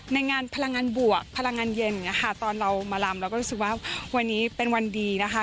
ในงานพลังงานบวกพลังงานเย็นอย่างนี้ค่ะตอนเรามาลำเราก็รู้สึกว่าวันนี้เป็นวันดีนะคะ